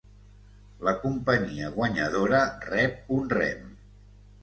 La companyia guanyadora rep un rem.